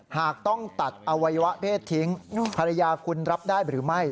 หากต้องตัดอวัยวะเพศทิ้งภรรยาคุณรับได้หรือไม่